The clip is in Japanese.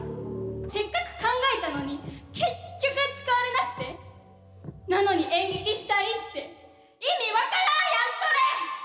せっかく考えたのに結局使われなくてなのに演劇したいって意味分からんやんそれ！